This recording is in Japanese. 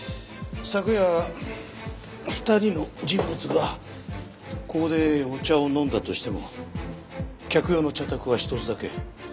昨夜２人の人物がここでお茶を飲んだとしても客用の茶たくは一つだけ。